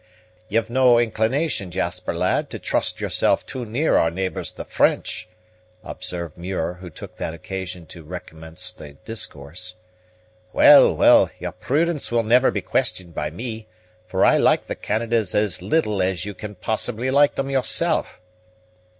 "You've no inclination, Jasper lad, to trust yourself too near our neighbours the French," observed Muir, who took that occasion to recommence the discourse. "Well, well, your prudence will never be questioned by me, for I like the Canadas as little as you can possibly like them yourself."